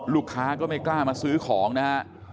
ลูกค้าก็ไม่กล้ามาซื้อของนะฮะ